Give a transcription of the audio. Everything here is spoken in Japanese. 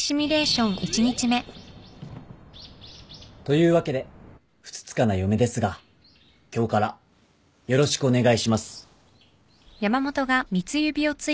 というわけでふつつかな嫁ですが今日からよろしくお願いします。